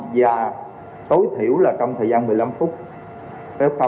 và tối thiểu là trong thời gian một mươi năm phút với f